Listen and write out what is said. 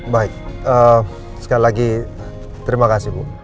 baik sekali lagi terima kasih bu